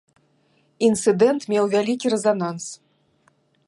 Інцыдэнт меў вялікі рэзананс.